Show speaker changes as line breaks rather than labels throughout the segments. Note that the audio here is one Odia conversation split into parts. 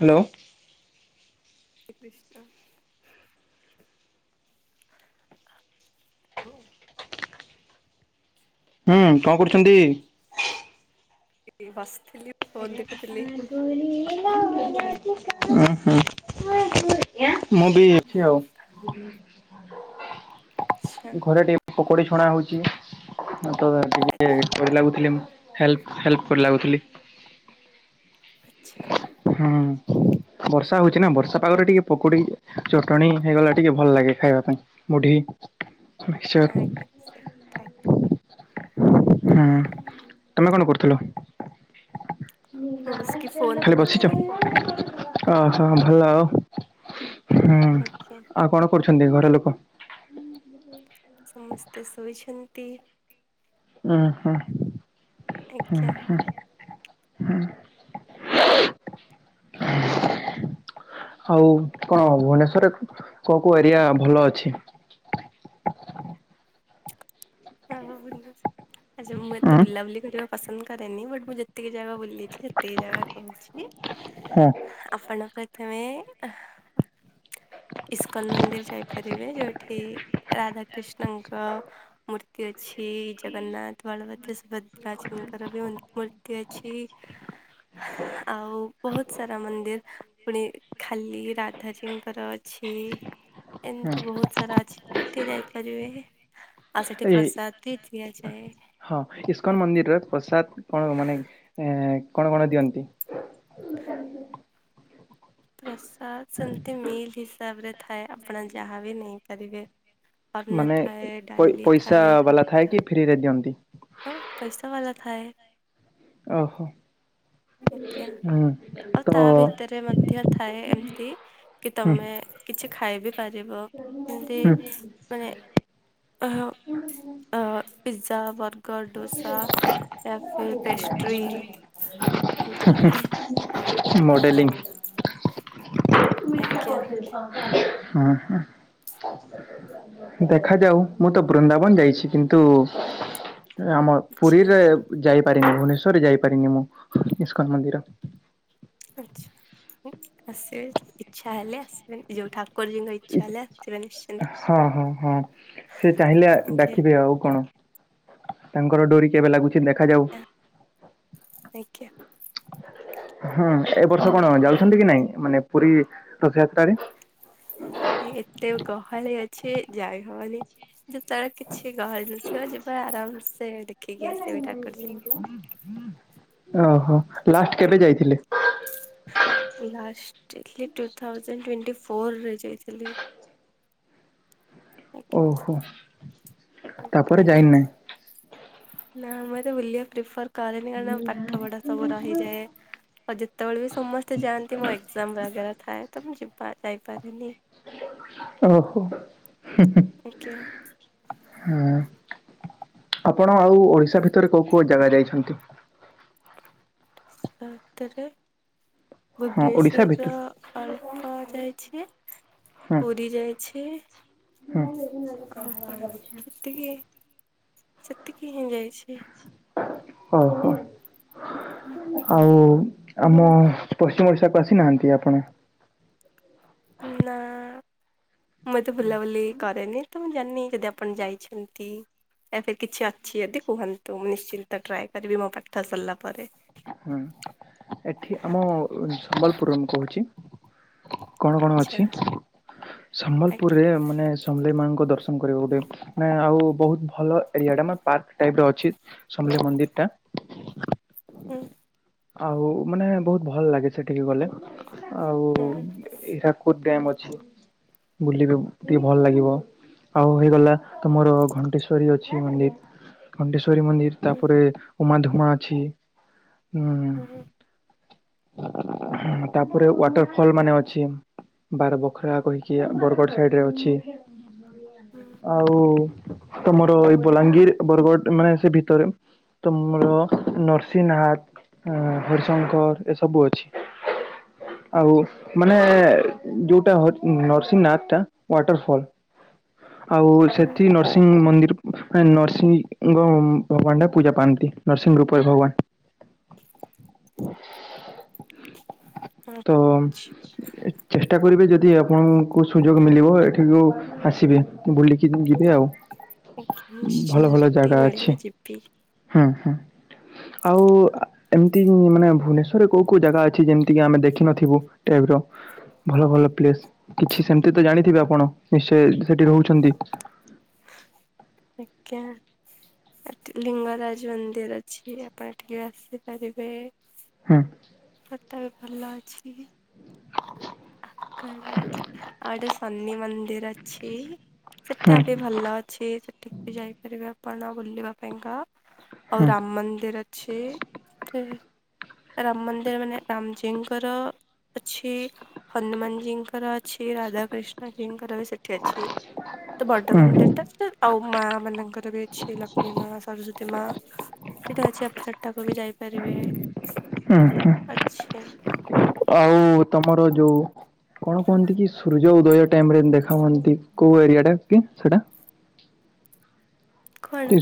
ହ୍ୟାଲୋ।
ହରେ କ୍ରିଷ୍ଣା।
ହୁଁ କଣ କରୁଛନ୍ତି?
ବସିଥିଲି।
[inaudible]
ଫୋନ୍ ଦେଖୁଥିଲି।
ମୁଁ ବି ଅଛି ଆଉ
ଆଚ୍ଛା
ଘରେ ଟିକେ ପକୋଡ଼ି ଛଣା ହଉଛି ତ
ଆଚ୍ଛା
ଟିକେ ଲାଗୁଥିଲି ମୁଁ ହେଲ୍ପ ହେଲପ କରି ଲାଗୁଥିଲି।
ଆଚ୍ଛା।
ହଁ। ବର୍ଷା ହଉଛି ନା ବର୍ଷା ପାଗରେ ଟିକେ ପକୋଡି ଚଟଣି ହେଇଗଲା ଟିକେ ଭଲ ଲାଗେ ଖାଇବା ପାଇଁ। ମୁଢି
ଆଜ୍ଞା ସେ କଥା।
ମିକ୍ସଚର ହୁଁ ତମେ କଣ କରୁଥିଲ?
ନମସ୍କା
ଖାଲି ବସିଛ। ଓହୋ ଭଲ ଆଉ ହୁଁ
ଆଜ୍ଞା
ଆଉ କଣ କରୁଛନ୍ତି ଘରଲୋକ?
ସମସ୍ତେ ଶୋଇଛନ୍ତି।
ଅହ ହୁଁ
ଆଜ୍ଞା
ହୁଁ। ହୁଁ। ଆଉ କଣ ଭୁବନେଶ୍ଵରରେ କୋଉ କୋଉ ଏରିଆ ଭଲ ଅଛି?
ହଁ, ହଁ, ହଁ ଯେ ମୁଁ ଏତେ
ଉଁ
ବୁଲା ବୁଲି କରିବା ପସନ୍ଦ କରେନି ବଟ ମୁଁ ଯେତିକି ଜାଗା ବୁ ବୁଲିଛି ଯେତିକି ଜାଗା କହୁଛି
ହଁ
ଆପଣ ପାଇଁ ତମେ ଇସ୍କନ ମନ୍ଦିର ଯାଇପାରିବେ ଯୋଉଠି ରାଧାକ୍ରିଷ୍ଣଙ୍କ ମୂ ର୍ତି ଅଛି ଜଗନ୍ନାଥ, ବଳଭଦ୍ର, ସୁଭଦ୍ରାଜି ଙ୍କର ବି ମୂର୍ତ୍ତି ଅଛି। ଆଉ ବହୁତ ସାରା ମନ୍ଦିର। ପୁଣି ଖାଲି ରାଧାଜୀଙ୍କର ଅଛି।
ହଁ
ଏମିତି ବହୁତ ସାରା ଅଛି ଏଠି ଯାଇପାରିବେ। ଆଉ ସେଠି
ଏ
ପ୍ରସାଦ ବି ଦିଆଯାଏ।
ହଁ ଇସ୍କନ ମନ୍ଦିରେ ପ୍ରସାଦ କଣ ମାନେ ଏଁ କଣ କଣ ଦିଅନ୍ତି?
ପ୍ରସାଦ ସେମିତି ମିଲ୍ ହିସାବରେ ଥାଏ ଆପଣ ଯାହାବି ନେଇପାରିବେ। ଅନ୍ନ
ମାନେ
ଥାଏ
ପଇ
ଡାଲି
ପଇସା
ଥାଏ
ବାଲା ଥାଏ କି ଫ୍ରି ରେ ଦିଅନ୍ତି?
ଅଁ ପଇସା ବାଲା ଥାଏ।
ଓହୋ।
ଆଜ୍ଞା
ହୁଁ
ଆଉ
ତ
ତା ଭିତରେ ମଧ୍ୟ ଥାଏ ଏମିତି କି
ହୁଁ
ତମେ କିଛି ଖାଇ ବିି ପାରିବ ଏମିତି
ହୁଁ
ମାନେ
[unintelligible]
ଆ pizza burger dosa cafe pastry. ଏମିତି
ମଡ଼େଲିଂ।
ଆଜ୍ଞା।
ହୁଁ ହୁଁ। କା ଦେଖାଯାଉ ମୁଁ ତ ବୃନ୍ଦାବନ୍ ଯାଇଛି କିନ୍ତୁ ଆମ
ଆଚ୍ଛା
ପୁରୀରେ ଯାଇପାରିନି ଭୁବନେଶ୍ୱରରେ ଯାଇପାରିନି ମୁଁ ଇସ୍କନ ମନ୍ଦିର।
ଆଚ୍ଛା। ଆସିବେ ଇଚ୍ଛା ହେଲେ ଆସିବେ ଯୋଉ ଠାକୁରଜୀଙ୍କ ଇଚ୍ଛା ହେଲେ ଆସିବେ ନିଶ୍ଚି
ହଁ ହଁ ହଁ ସେ ଚାହିଁଲେ
ଆଜ୍ଞା।
ଡ଼ାକିବେ ଆଉ କଣ। ତାଙ୍କର ଡୋରି କେବେ ଲାଗୁଛି ଦେଖାଯାଉ।
ଆଗ୍ୟା।
ହଁ ଏ ବର୍ଷ କଣ ଯାଉଛନ୍ତି କି ନାଇଁ ମାନେ ପୁରୀ ରଥଯାତ୍ରାରେ?
ନାଇଁ ଏତେ ଗହଳି ଅଛି ଯାଇ ହବନି। ଯେତେବେଳେ କିଛି ଗହଳି ନଥିବ ଯିବା ଆରାମ ସେ ଦେଖିକି ଆସିବି ଠା
ଓହୋ, ଲାଷ୍ଟ୍ କେବେ ଯାଇଥିଲେ?
ଲାଷ୍ଟ୍ ଯାଇଥିଲି ଟୁ ଥାଉଜେଣ୍ଟ୍ ଟୋଣ୍ଟି ଫୋର୍ ରେ ଯାଇଥିଲି।
ଓହୋ। ତାପରେ
ଆଜ୍ଞା
ଯାଇନାହିଁ।
ନା ମୁଁ ଏତେ ବୁଲିବା ପ୍ରିଫର୍ କରେନି କାରଣ ପାଠପଢ଼ା ସବୁ ରହିଯାଏ। ଆଉ ଯେତେବେଳେ ବି ସମସ୍ତେ ଯାଆନ୍ତି ମୋ ଏକ୍ଜାମ୍ ବଗେରା ଥାଏ ତ ମୁଁ ଯିବା ଯାଇପାରେନି।
ଓହୋ।
ଆଜ୍ଞା।
ହୁଁ ଆପଣ ଆଉ ଓଡ଼ିଶା ଭିତରେ କୋଉ କୋଉ ଜାଗା ଯାଇଛନ୍ତି?
ବାତ୍ ରେ
ହଁ ଓଡ଼ିଶା
ଭୁବନେଶ୍ଵର
ଭିତରେ।
ର ଅଳ୍ପ ଯାଇଛି
ହୁଁ।
ପୁରୀ ଯାଇ ଛି ଆଉ [unintelligible] ତିକି ସେତିକି ହିଁ ଯାଇଛି।
ଓହୋ।
ନା
ଆଉ ଆମ ପଶ୍ଚିମ ଓଡ଼ିଶାକୁ ଆସିନାହାନ୍ତି ଆପଣ?
ନାଁ। ମୁଁ ଏତେ ବୁଲାବୁଲି କରେନି ତ ମୁଁ ଜାଣିନି ଯଦି ଆପଣ ଯାଇଛନ୍ତି ଏବେ କିଛି ଅଛି ଯଦି କୁହନ୍ତୁ? ମୁଁ ନିଶ୍ଚିନ୍ତ ଟ୍ରାଏ କରିବି ମୋ ପାଠ ସରିଲା ପରେ।
ହୁଁ ଏଠି ଆମ ସମ୍ବଲପୁର ମୁଁ କହୁଛି? କଣ କଣ
ଆଚ୍ଛା
ଅଛି ସମ୍ବଲପୁରରେ
ଆଜ୍ଞା
ମାନେ ସମଲେଇ ମାଙ୍କ ଦର୍ଶନ କରିବାକୁ ଗୋଟେ ନା ଆଉ ବହୁତ ଭଲ ଏରିଆ ଟା ମେ ପାର୍କ ଟାଇପ୍ ର ଅଛି। ସମଲେଇ ମନ୍ଦିର ଟା।
ହୁଁ।
ଆଉ ମାନେ ବହୁତ ଭଲ ଲାଗେ ସେଠିକି ଗଲେ। ଆଉ
ହୁଁ
ଏଇଟା କୋ ଡ୍ୟାମ୍ ଅଛି। ବୁଲିବେ ଟିକେ ଭଲ ଲାଗିବ। ଆଉ ହେଇଗଲା ତମର ଘଣ୍ଟେଶ୍ଵରୀ ଅଛି ମନ୍ଦିର। ଘଣ୍ଟେଶ୍ଵରୀ ମନ୍ଦିର
ହୁଁ
ତାପରେ ଉମା ଧୁଆ ଅଛି। ଉଁ
ହୁଁ
ତାପରେ ୱାଟର ଫଲ୍ ମାନେ ଅଛି। ବାର ବଖରା କହିକି ବରଗଡ଼ ସାଇଡ଼ରେ ଅଛି।
ହୁଁ।
ଆଉ ତମର ଏଇ ବଲାଙ୍ଗୀର ବରଗଡ଼ ମାନେ ସେ ଭିତରେ। ତମର ନରସିହନାଥ ହରିଶଙ୍କର ଏସବୁ ଅଛି। ଆଉ ମାନେ ଯୋଉଟା ନରସିଂହନାଥ ଟା ୱାଟର ଫଲ। ଆଉ
ହୁଁ
ସେଠି ନରସିଂହ ମନ୍ଦିର ନରସିଂହ ଭଗବାନ ଟା ପୂଜା ପାନ୍ତି। ନରସିଂହ ରୂପରେ ଭଗବାନ। ତ
ଆଚ୍ଛା।
ଚେଷ୍ଟା କରିବେ ଯଦି ଆପଣ କ ସୁଯୋଗ ମିଳିବ ଏଠିକୁ ଆସିବେ ବୁଲିକି ଯିବେ ଆଉ।
ଆଜ୍ଞା
ଭଲ
ନିଶ୍ଚିୟ
ଭଲ
ଯେତିକି
ଜାଗା ଅଛି
ମିଳିଲା ଯିବି।
ହୁଁ ହୁଁ ଆଉ ଏମିତି ମାନେ ଭୁବନେଶ୍ଵରରେ କୋଉ କୋଉ ଜାଗା ଅଛି ଯେମିତି କିି ଆମେ ଦେଖିନଥିବୁ ଟାଇପ୍ ର? ଭଲ ଭଲ ପ୍ଲେସ୍‌ କିଛି ସେମତି ତ ଜାଣିଥିବେ ଆପଣ ନିଶ୍ଚୟ ସେଠି ରହୁଛନ୍ତି।
ଆଜ୍ଞା। ଲିଙ୍ଗରାଜ ମନ୍ଦିର ଅଛି। ଆପଣ ଏଠିକେ ଆସିପାରିବେ।
ହୁଁ।
ଫଟା ବି ଭଲ ଅଛି। ଆଉ କଣ ଅ ଆଉ ଗୋଟେ ସନି ମନ୍ଦିର ଅଛି। ସେଟା
ହୁଁ
ବି ଭଲ ଅଛି। ସେଠିକି ବି ଯାଇପାରିବେ ଆପଣ ବୁଲିବା ପାଇଁକା। ଆଉ
ହୁଁ
ରାମ ମନ୍ଦିର ଅଛି ରାମ ମନ୍ଦିର ମାନେ ରାମଜୀଙ୍କର ଅଛି ହନୁମାନ ଜୀଙ୍କର ଅଛି। ରାଧା କୃିଷ୍ଣ ଜୀଙ୍କର ବି ସେ ଠି ଅଛି। ତ
ହୁଁ
ବର୍ଟମାନ ଲେଟା ଆଉ ମା ମାନଙ୍କର ବି ଅଛି ଲକ୍ଷ୍ମୀ ମା ସରସ୍ଵତୀ ମା। ସେଇଟା ଅଛି ଆପଣ ସେଟାକୁ ବି ଯାଇପାରିବେ?
ହୁଁ
ଅଛି
ହୁଁ ଆଉ ତମର ଯୋଉ କଣ କୁହନ୍ତି କି ସୂର୍ଯ୍ୟ ଉଦୟ ଟାଇମ୍ ରେ ଦେଖା ହୁଅନ୍ତି। କୋଉ ଏରିଆ ଟା କି ସେଟା?
କଣ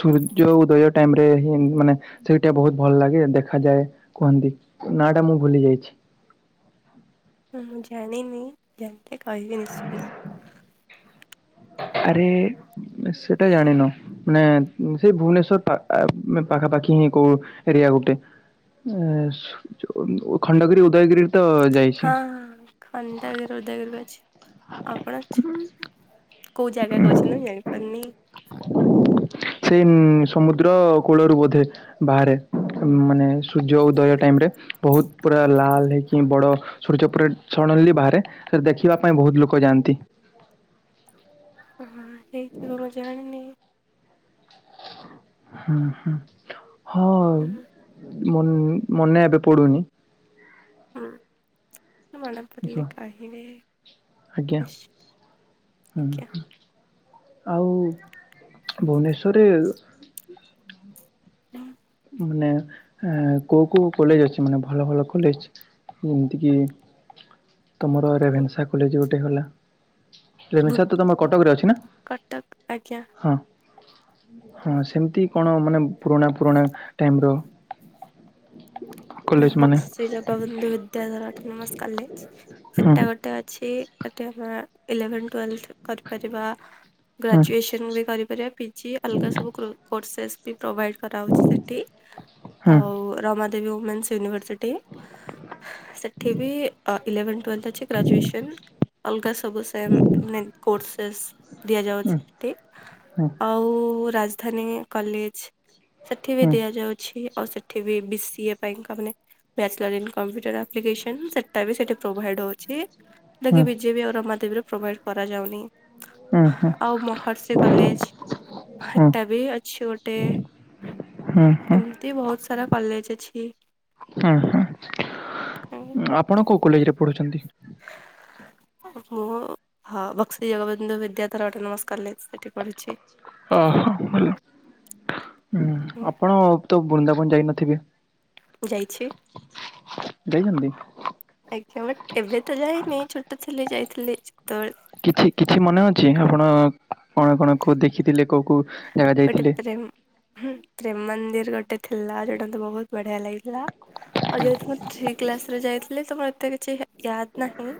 ସୂର୍ଯ୍ୟ ଉଦୟ ଟାଇମ୍ ରେ ହିଁ ମାନେ ସେଇଟା ବହୁତ ଭଲ ଲାଗେ ଦେଖାଯାଏ। କୁହନ୍ତି ନା ଟା ମୁଁ ଭୁଲି ଯାଇଛି।
ହୁଁ ଜାଣିନି ଜାଣିିଲେ କହିବି ନିଶ୍ଚିନ୍ତ।
ଆରେ ସେଟା ଜାଣିନ? ନାଇଁ ସେଇ ଭୁବନେଶ୍ଵର ପାଖାପାଖି ହିଁ କୋଉ ଏରିଆ ଗୋଟେ। ଏ ଖଣ୍ଡଗିରି ଉଦୟଗିରିରେ ତ ଯାଇ
ହଁଁ ଖଣ୍ଡଗିରି ଉଦୟଗିରି କୁ ଅଛି। ଆପଣ? କୋଉ ଜାଗା କହୁଛନ୍ତି ମୁଁ ଜାଣିପାରୁନି।
[unintelligible] ସମୁଦ୍ର କୂଳରୁ ବୋଧେ। ବାହାରେ ମାନେ ସୂର୍ଯ୍ୟ ଉଦୟ ଟାଇମ୍ ରେ, ବହୁତ୍ ପୁରା ଲାଲ ହେଇକି ବଡ ସୂର୍ଯ୍ୟ ପୁରା ସଡନଲି ବାହାରେ ତାକୁ ଦେଖିବା ପାଇଁ ବହୁତ ଲୋକ ଯାଆନ୍ତି।
ହଁ ହେଇଥିବ ମୁଁ ଜାଣିନି।
ହୁଁ ହୁଁ ହଁ
ହୁଁ
ମନ ମନେ ଏବେ ପଡୁନି।
[unintelligible] ମନେ ପଡ଼ିଲେ
ଦେଖିବା
କହିିବେ।
ଆଜ୍ଞା
ନିଶ୍ଚେ
ହୁଁ
ଆଜ୍ଞା।
ଆଉ ଭୁବନେଶ୍ଵରରେ
ହୁଁ
ମାନେ କୋଉ କୋଉ କଲେଜ ଅଛି ମାନେ ଭଲ ଭଲ କଲେଜ? ଯେମିତିକି ତମର ରେଭେନ୍ସା କଲେଜ ଗୋଟେ ଗଲା।
ଭୁ
ରେଭେନ୍ସା ତ ତମର କଟକରେ ଅଛି ନା?
କଟକ ଆଜ୍ଞା
ହଁ। ହଁ ସେମତି କଣ ମାନେ ପୁରୁଣା ପୁରୁଣା ଟାଇମ୍ ର କଲେଜ ମାନେ
ବକ୍ସି ଜଗବନ୍ଧୁ ବିଦ୍ୟାଧର ଅଟୋନୋମସ୍ କଲେଜ୍।
ହୁଁ
ସେଟା ଗୋଟେ ଅଛି। [unintelligible] ଇଲେଭେନ୍, ଟୁଏଲଥ କରିପାରିବା
ହୁଁ
ଗ୍ରାଜୁଏସନ ବି କରିପାରିବା। ପି ପିଜି ଅଲଗା ସବୁ କୋ କୋର୍ସସେ ବି ପ୍ରୋଭାଇଡ଼ କରାହଉଚି ସେଠି।
ହୁଁ ହୁଁ
ଆଉ ରମା [unintelligible] ଉମେନ୍ସ ୟୁନିଭର୍ସିଟ। ସେଠି ବି ଅ ଇଲେଭନଥ, ଟୁଏଲଥ ଅଛି ଗ୍ରାଜୁଏସନ୍ ଅଲଗା ସବୁ ସେମ କୋର୍ସସେ ଦିଆଯାଉଚି ସେଠି।
ହୁଁ
ଆଉ ରାଜଧାନୀ କଲେଜ୍ ସେଠି ବି
ହୁଁ ହୁଁ ହୁଁ ହୁଁ
ଦିଆଯାଉଛି। ଆଉ ସେଠି BCA [unintelligible] bachelor in computer application ସେଟା ବି ସେଠି ପ୍ରୋଭାଇଡ଼ ହଉଚି। ଯୋଉଟାକି ବିଜେପି ଆଉ ରମାଦେବୀରେ ପ୍ରୋଭାଇଡ଼ କରାଯାଉନି। ଆଉ ମହର୍ଷି କଲେଜ୍
ହୁଁ
ହେଟା ବି ଅଛି ଗୋଟେ।
ହୁଁ ହୁଁ
ଏମତି ବହୁତ ସାରା କଲେଜ୍ ଅଛି।
ହୁଁ ହୁଁ। ଆପଣ କୋଉ କଲେଜରେ ପଢୁଛନ୍ତି?
[unintelligible] ମୁଁ ହଁ ବକ୍ସି ଜଗବନ୍ଧୁ ବିଦ୍ୟାଥର ଅଟୋନମୋସ୍ କଲେଜ୍ ସେଠି ପଢୁଚି।
ହଁ ହଁ। ଆପଣ ତ ବୃନ୍ଦାବନ ଯାଇନଥିବେ?
ଯାଇଛି।
ଯାଇଛନ୍ତି?
ଆଜ୍ଞ। ବଟ୍ ଏବେ ତ ଯାଇନି। ଛୋଟ ଥିଲେ ଯାଇଥିଲି। ଯେତେବେଳେ
କିଛି, କିଛି ମନେ ଅଛି? ଆପଣ କଣ, କଣ କଉ ଦେଖିଥିଲେ କୋଉ କୋଉ? ଜାଗା
ଗୋଟେ
ଯାଇଥିଲେ
ପ୍ରେମ୍ ପ୍ରେମ ମନ୍ଦିର ଗୋଟେ ଥିଲା ଯୋଉଟା ତ ବହୁତ୍ ବଢିଆ ଲାଗିଥିଲା। ଆଉ ଯେହେତୁ ମୁଁ ଥ୍ରୀ କ୍ଲାସ ରେ ଯାଇଥିଲି ତ ମତେ କିଛି ୟାଦ୍ ନାହିଁ।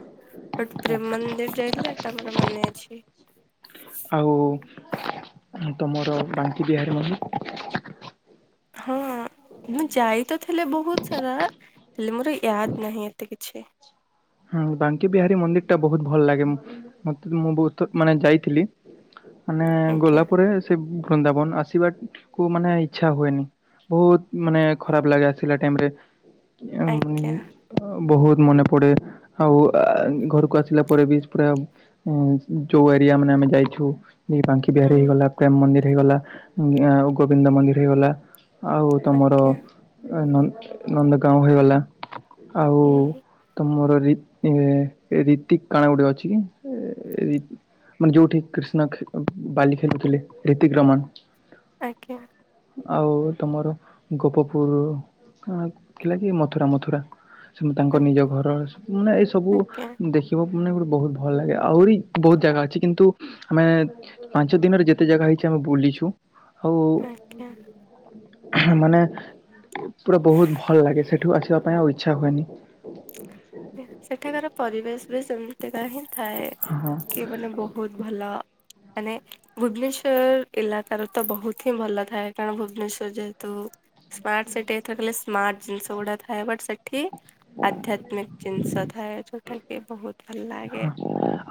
ବଟ୍ ପ୍ରେମ୍ ମନ୍ଦିର ଯାଇଥିଲି ଏଟା ମୋର ମନେ ଅଛି।
ଆଉ ତମର ବାଙ୍କି ବିହାରୀମନ୍ଦିର୍
ହଁ ମୁଁ ଯାଇ ତ ଥିଲି ବହୁତ ସାରା ହେଲେ ମୋର ୟାଦ ନାହିଁ ଏତେ କିଛି।
ହୁଁ ବାଙ୍କି ବିହାରୀ ମନ୍ଦିର ଟା ବହୁତ୍ ଭଲ୍ ଲାଗେ। ମୁଁ ବହୁତ୍ ମାନେ ଯାଇଥିଲି। ମାନେ
ଆଜ୍ଞା
ଗଲା ପରେ ସେ ବୃନ୍ଦାବନ ଆସିବାକୁୁ ମାନେ ଇଚ୍ଛା ହୁଏନି। ବହୁତ୍ ମାନେ ଖରାପ ଲାଗେ ଆସିଲା ଟାଇମ୍ ରେ।
ଆଜ୍ଞା
[unintelligible] ବହୁତ୍ ମନେ ପଡ଼େ। ଆଉ ଆ ଘରକୁ ଆସିଲା ପରେ ବି ପୁରା ଉଁ ଯୋଉ ଏରିଆ ମାନେ ଆମେ ଯାଇଛୁ ବାଙ୍କୀ ବିହାରୀ
ହୁଁ
ହେଇଗଲା, ପ୍ରେମ ମନ୍ଦିର ହେଇଗଲା, ଗୋବିନ୍ଦ ମନ୍ଦିର ହେଇଗଲା। ଆଉ ତମର
ଆଜ୍ଞା
ନନ୍ଦଗାଁଓ ହେଇଗଲା। ଆଉ
ହୁଁ
ତମର ରୀତି ରୀତିକ କାଣା ଗୋଟେ ଅଛି। ରୀତି ମାନେ ଯୋଉଠି କ୍ରିଷ୍ଣା ବାଲି ଖେଳୁଥିଲେ ରିତିକ ରମନ।
ଆଜ୍ଞା।
ଆଉ ତମର ଗୋପପୁର। ଥିଲା କି ମଥୁରା ମଥୁରା ସେ
ହୁଁ
ତାଙ୍କ ନିଜ ଘର ମାନେ ଏ ସବୁ
ଆଜ୍ଞା
ଦେଖିବା ମାନେ ଗୋଟେ ବହୁତ ଭଲ ଲାଗେ ଆହୁରି ବହୁତ ଜାଗା ଅଛି କିନ୍ତୁ ଆମେ ପାଞ୍ଚ ଦିନରେ ଯେତେ ଜାଗା ହେଇଛି ଆମେ ବୁଲିଛୁ ଆଉ
ଆଜ୍ଞା
ମାନେ ପୁରା ବହୁତ ଭଲ ଲାଗେ ସେଠୁ ଆସିବା ପାଇଁ ଆଉ ଇଚ୍ଛା ହୁଏନି।
ସେଠାକାର ପରିବେଶ ବି ସେମିତିକାା ହିଁ ଥାଏ
ହଁ।
କି ମାନେ ବହୁ ବହୁତ ଭଲ। ମାନେ ଭୁବନେଶ୍ବର ଇଲାକାର ର ତ ବହୁତ ହିଁ ଭଲ ଥାଏ କାରଣ ଭୁବନେଶ୍ବର ଯେହେତୁ ସ୍ମାର୍ଟ ସେଟି ଏଥିରେ କହିଲଲେ ସ୍ମାର୍ଟ ଜିନିଷ ଗୁଡାକ ଥାଏ ବଟ୍ ସେଠି ଆଧ୍ୟାତ୍ମିକ। ଜିନିଷ ଥାଏ ଛୋଟ୍ ଆଜ୍ଞା ବହୁତ ଭଲ। ଲାଗେ
ହଁ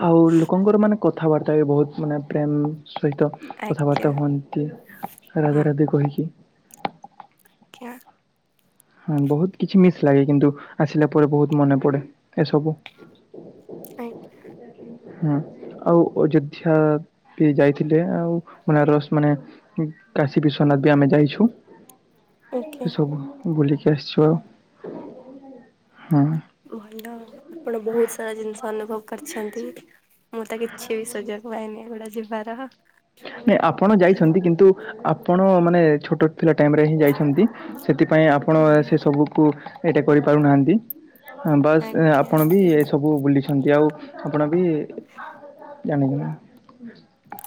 ଆଉ ଲୋକଙ୍କର ମାନେ କଥାବାର୍ତ୍ତା ବି ବହୁତ ମାନେ ପ୍ରେମ୍ ସହିତ।
ଆଜ୍ଞା
କଥାବାର୍ତ୍ତା ହୁଅନ୍ତି
ହଁ
ରାଧା ରାଧି କହିକି।
ଆଜ୍ଞା।
ହଁ ବହୁତ କିଛି ମିସ୍ ଲାଗେ କିନ୍ତୁ ଆସିଲା ପରେ ବହୁତ ମନେ ପଡେ। ଏସବୁ ହୁଁ। ଆଉ ଅଯୋଧ୍ୟା କିଏ ଯାଇଥିଲେ ଆଉ ବନାରସ ମାନେ କାଶୀ ବିଶ୍୍ୱନାଥ ବି ଆମେ ଯାଇଛୁ।
ଆଜ୍ଞା
ଏ ସବୁ ବୁଲିିକି ଆସିଛୁ ଆଉ ହୁଁ।
ଭଲ ଆପଣ ବହୁତ ସାରା ଜିନିଷ ଅନୁଭବ କରିଛନ୍ତି। ମୁଁ ତ କିଛି ବି ସୁଯୋଗ ପାଇନି ଏଗୁଡା ଯିବାର।
ନାଇଁ ଆପଣ ଯାଇଚନ୍ତି କିନ୍ତୁ ଆପଣ ମାନେ ଛୋଟ ଥିଲା ଟାଇମ ରେ ହିଁ ଯାଇ ଚନ୍ତି। ସେଥିପାଇଁ ଆପଣ
ଆଜ୍ଞା
ସେ ସବୁକୁ ଏଇଟା କରିପାରୁନାହାନ୍ତି। ହ ବାସ୍
ଆଜ୍ଞା
ଆପଣ ବି ଏ ସବୁ ବୁଲିଚନ୍ତି ଆଉ। ଆପଣ ବି ଜାଣି ନ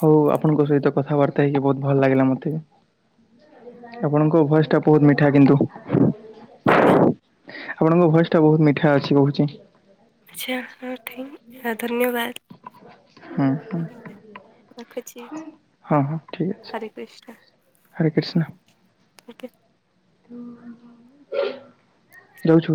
ହଉ ଆପଣଙ୍କ ସହିତ କଥାବାର୍ତ୍ତା। ହେଇକି ବହୁ ଭଲ ଲାଗିଲା ମତେ। ଆପଣଙ୍କ ଭଏସ ଟା ବହୁତ ମିଠା କିନ୍ତୁ।
ଆଜ୍ଞା।
ଆପଣଙ୍କ ଭଏସ ଟା ବହୁତ ମିଠା ଅଛି କହୁଛି।
[unintelligible] ଧନ୍ୟବାଦ।
ହଁ ହଁ।
ଆଜ୍ଞା ରଖୁଛି
ହଁ ଠିକ୍ ଅଛି
ହରେ କୃଷ୍ଣ।
ହରେ କୃଷ୍ଣ।
ଉତେ।
ଯାଉଛୁ।